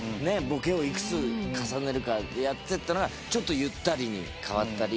ボケをいくつ重ねるかでやっていったのがちょっとゆったりに変わったり。